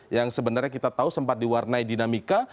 yang sebenarnya kita tahu sempat diwarnai dinamika